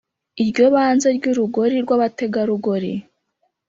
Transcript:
Iryo banze ry'urugori rw’abategarugori